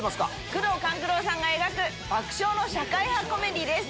宮藤官九郎さんが描く爆笑の社会派コメディーです。